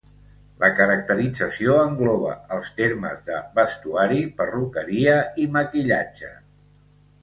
La caracterització engloba els termes de vestuari, perruqueria i maquillatge.